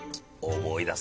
思い出す。